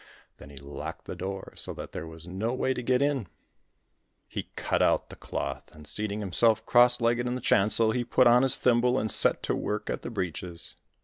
Then he locked the door so that there was no way to get in. He cut out the cloth, and, seating himself cross legged in the chancel, he put on his thimble and set to work at the breeches.